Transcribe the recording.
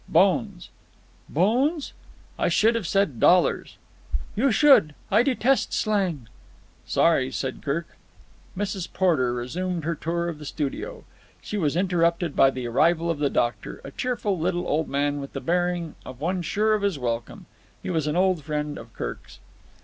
"Bones." "Bones?" "I should have said dollars." "You should. I detest slang." "Sorry," said Kirk. Mrs. Porter resumed her tour of the studio. She was interrupted by the arrival of the doctor, a cheerful little old man with the bearing of one sure of his welcome. He was an old friend of Kirk's.